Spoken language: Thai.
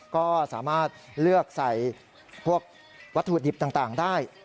ก็สามารถเลือกใส่พวกวัตถุดิบต่างได้